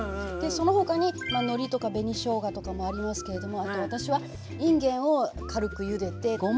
その他にのりとか紅しょうがとかもありますけれどもあと私はいんげんを軽くゆでてごまをパラパラッとのっけて。